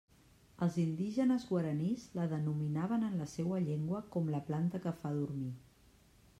Els indígenes guaranís la denominaven en la seua llengua com «la planta que fa dormir».